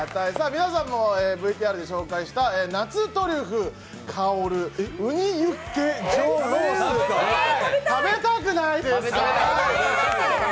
皆さんもＶＴＲで紹介した夏トリュフ香るウニユッケ上ロースが食べたくない？